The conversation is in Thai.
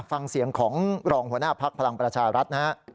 ฟังเสียงของรองหัวหน้าภักดิ์พลังประชารัฐนะฮะ